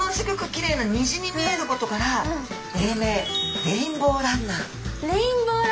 きれいなにじに見えることからレインボーランナー！？